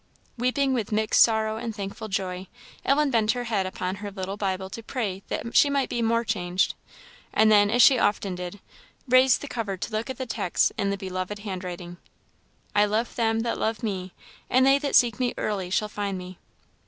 Weeping with mixed sorrow and thankful joy, Ellen bent her head upon her little Bible to pray that she might be more changed; and then, as she often did, raised the cover to look at the texts in the beloved handwriting. "I love them that love me, and they that seek me early shall find me."